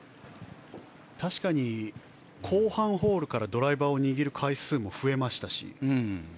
確かに後半ホールからドライバーを握る回数も増えましたし。